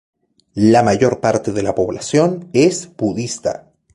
La mayor parte de la población es budista.